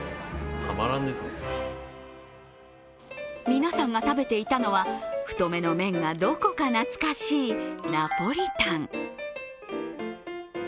皆さんが食べていたのは、太めの麺がどこか懐かしいナポリタン。